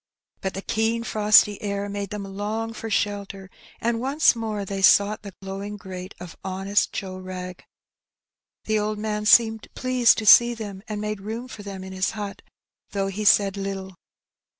But the keen frosty air made them long for shelter, and once more they sought the glowing grate of honest Joe Wrag. The old man seemed pleased to see them, and made room for them in his hut, though he said Httle.